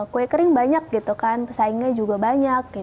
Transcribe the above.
kue kering banyak pesaingnya juga banyak